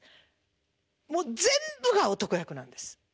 もう全部が男役なんです。